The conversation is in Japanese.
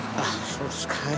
そうですか。